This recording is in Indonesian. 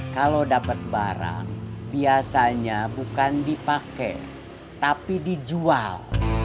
kalau dapet barang biasanya bukan dipake tapi dijual